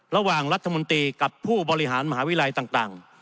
ระหว่างรัฐมนตรีกับผู้บริหารมหาวิทยาลัยต่าง